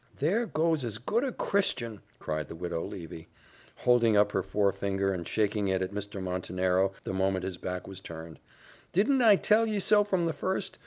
"There goes as good a Christian!" cried the Widow Levy, holding up her forefinger, and shaking it at Mr. Montenero the moment his back was turned: "didn't I tell ye so from the first?